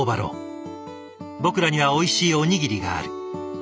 僕らにはおいしいおにぎりがある。